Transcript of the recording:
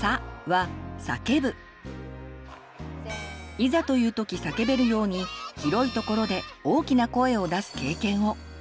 いざというときさけべるように広いところで大きな声を出す経験を。